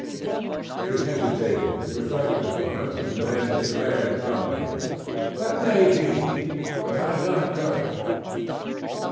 She hesitated, reflected a moment, and then declared roundly: "That may be; but I'm not going."